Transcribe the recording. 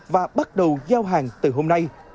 và bắt đầu giao hàng từ hôm nay